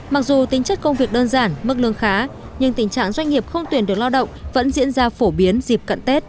mặc dù tính chất công việc đơn giản mức lương khá nhưng tình trạng doanh nghiệp không tuyển được lao động vẫn diễn ra phổ biến dịp cận tết